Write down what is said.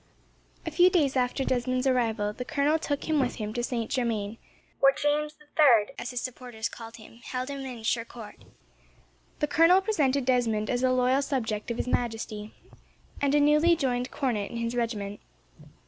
A few days after Desmond's arrival, the colonel took him with him to Saint Germain, where James the 3rd, as his supporters called him, held a miniature court. The colonel presented Desmond as a loyal subject of His Majesty, and a newly joined cornet in his regiment.